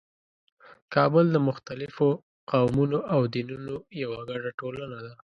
کابل د مختلفو قومونو او دینونو یوه ګډه ټولنه ده.